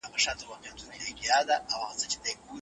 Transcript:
صنعتي سکتور څنګه د اقتصاد وده کي برخه اخلي؟